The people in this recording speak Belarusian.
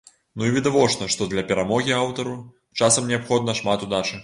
Ну і відавочна, што для перамогі аўтару часам неабходна шмат удачы.